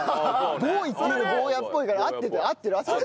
ボーイっていうより坊やっぽいから合ってる合ってる合ってる。